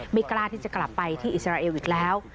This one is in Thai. กล้าที่จะกลับไปที่อิสราเอลอีกแล้ว